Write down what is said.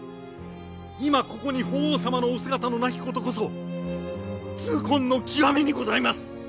今ここに法皇様のお姿のなきことこそ痛恨の極みにございます！